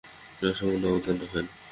তিনি অসামান্য আবদান রাখেন।